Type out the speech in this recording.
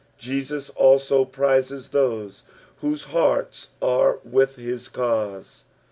Jesus also prizes those whose hearts are with his cause.